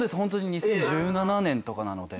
２０１７年とかなので。